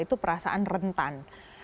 itu perasaan rentan